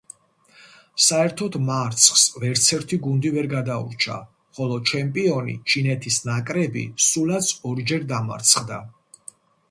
საერთოდ მარცხს ვერცერთი გუნდი ვერ გადაურჩა, ხოლო ჩემპიონი, ჩინეთის ნაკრები სულაც ორჯერ დამარცხდა.